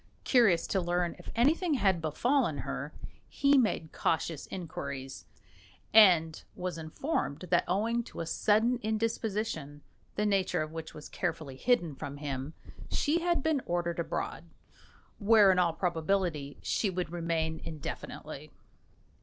Curious to learn if anything had befallen her, he made cautious inquiries, and was informed that owing to a sudden indisposition the nature of which was carefully hidden from him she had been ordered abroad, where, in all probability, she would remain indefinitely.